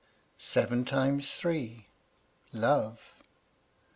SEVEN TIMES THREE. LOVE.